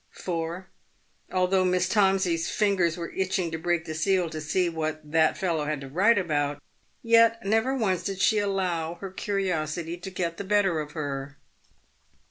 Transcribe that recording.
For, al though Miss Tomsey's fingers were itching to break the seal to see what " that fellow" had to write about, yet never once did she allow her curiosity to get the better of her.